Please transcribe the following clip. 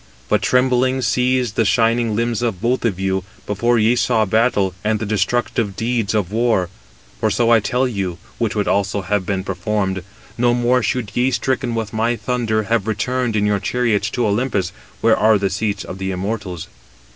But trembling seized the shining limbs of both of you, before ye saw battle, and the destructive deeds of war. For so I tell you, which would also have been performed: no more should ye, stricken with my thunder, have returned in your chariots to Olympus, where are the seats of the immortals."